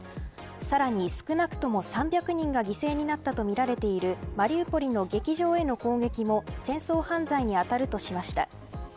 さらに少なくとも３００人が犠牲になったとみられているマリウポリの劇場への攻撃も戦争犯罪に当たるとしました。